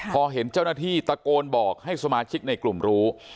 พอเห็นเจ้าหน้าที่ตะโกนบอกให้สมาชิกในกลุ่มรู้